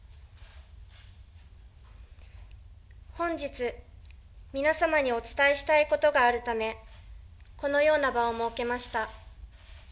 本日、皆様にお伝えしたいことがあるため、このような場を設けました。